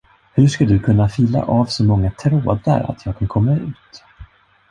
Hur ska du kunna fila av så många trådar, att jag kan komma ut?